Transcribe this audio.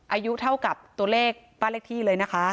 อายุเท่ากับตัวเลขบ้านเลขที่เลยนะคะ